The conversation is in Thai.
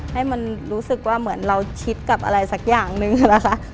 ให้มันรู้สึกว่าเหมือนเราชิดกับอะไรสักอย่างนึงนะคะ